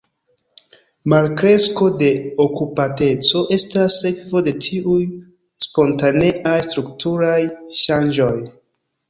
Malkresko de okupateco estas sekvo de tiuj spontaneaj strukturaj ŝanĝoj.